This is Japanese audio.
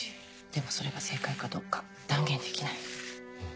でもそれが正解かどうか断言できない。